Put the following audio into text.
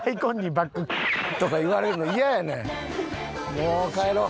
もう帰ろう。